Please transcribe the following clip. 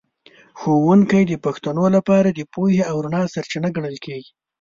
ښوونکی د پښتنو لپاره د پوهې او رڼا سرچینه ګڼل کېږي.